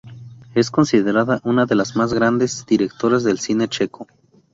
Es considerada una de las más grandes directoras del cine checo.